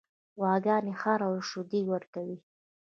غواګانې هره ورځ شیدې ورکوي.